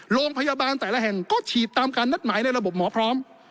โรงพยาบาลแต่ละแห่งก็ฉีดตามการนัดหมายในระบบหมอพร้อม